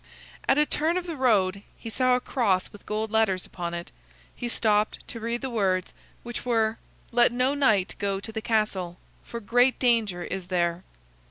At a turn of the road, he saw a cross with gold letters upon it. He stopped to read the words, which were: "Let no knight go to the castle, for great danger is there."